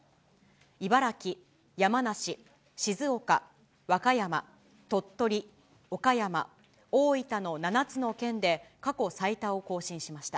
茨城、山梨、静岡、和歌山、鳥取、岡山、大分の７つの県で、過去最多を更新しました。